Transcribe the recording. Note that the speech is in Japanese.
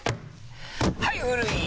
はい古い！